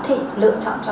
cái dịch vụ chữa lành đấy